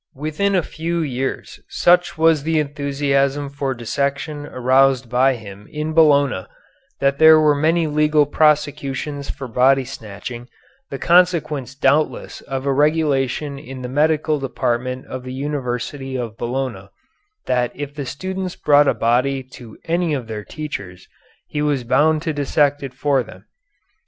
Within a few years such was the enthusiasm for dissection aroused by him in Bologna that there were many legal prosecutions for body snatching, the consequence doubtless of a regulation of the Medical Department of the University of Bologna, that if the students brought a body to any of their teachers he was bound to dissect it for them.